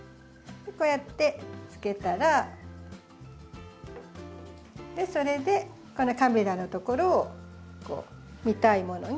こうやってつけたらそれでこのカメラのところをこう見たいものに。